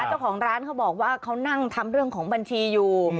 เจ้าของร้านเขาบอกว่าเขานั่งทำเรื่องของบัญชีอยู่